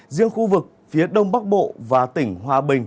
riêng khu vực phía đông bắc bộ và tỉnh hòa bình